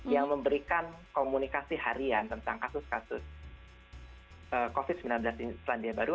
yang memberikan komunikasi harian tentang kasus kasus covid sembilan belas di selandia baru